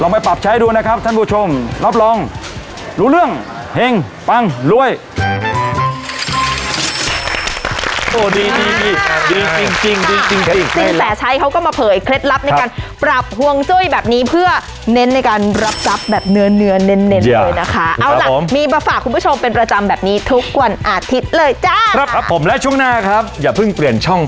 ไม่เชื่อก็ต้องเชื่อแล้วล่ะครับก็เจ้าของร้านเนี่ย